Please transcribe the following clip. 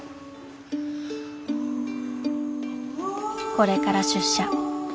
これから出社。